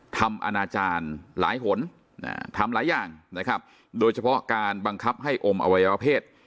อาณาจารย์หลายหนทำหลายอย่างนะครับโดยเฉพาะการบังคับให้อมอวัยวเพศ